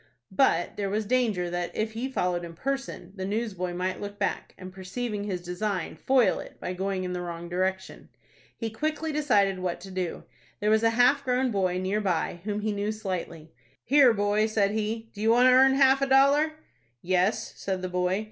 But there was danger that, if he followed in person, the newsboy might look back, and, perceiving his design, foil it by going in the wrong direction. He quickly decided what to do. There was a half grown boy near by whom he knew slightly. "Here, boy," said he,"do you want to earn half a dollar?" "Yes," said the boy.